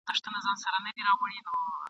سل ځله په دار سمه، سل ځله سنګسار سمه !.